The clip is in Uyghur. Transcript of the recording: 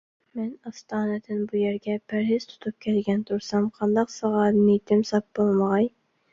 مەن ئاستانىدىن بۇ يەرگە پەرھىز تۇتۇپ كەلگەن تۇرسام، قانداقسىغا نىيىتىم ساپ بولمىغاي؟